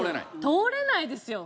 通れないですよ